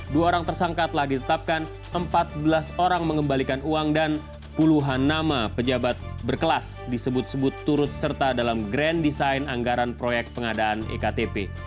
dua orang tersangka telah ditetapkan empat belas orang mengembalikan uang dan puluhan nama pejabat berkelas disebut sebut turut serta dalam grand design anggaran proyek pengadaan ektp